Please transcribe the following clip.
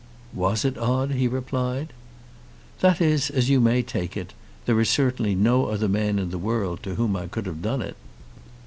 "Was it odd?" he replied. "That is as you may take it. There is certainly no other man in the world to whom I would have done it."